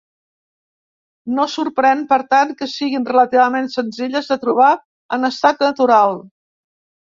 No sorprèn per tant que siguin relativament senzilles de trobar en estat natural.